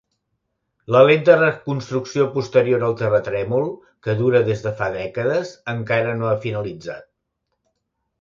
La lenta reconstrucció posterior al terratrèmol, que dura des de fa dècades, encara no ha finalitzat.